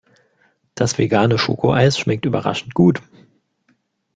Das vegane Schokoeis schmeckt überraschend gut.